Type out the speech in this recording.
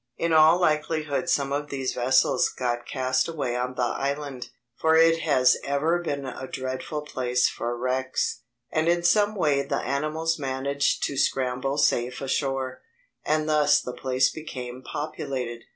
In all likelihood some of these vessels got cast away on the island—for it has ever been a dreadful place for wrecks—and in some way the animals managed to scramble safe ashore, and thus the place became populated.